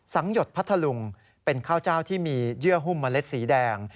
หยดพัทธลุงเป็นข้าวเจ้าที่มีเยื่อหุ้มเมล็ดสีแดง